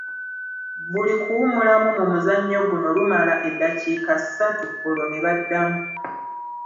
Buli kuwummulamu mu muzannyo guno lumala eddakiika ssatu olwo ne baddamu.